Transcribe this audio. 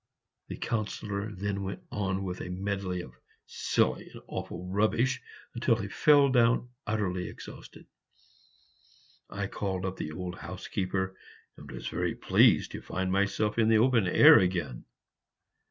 The Councillor then went on with a medley of silly and awful rubbish, until he fell down utterly exhausted; I called up the old housekeeper, and was very pleased to find myself in the open air again.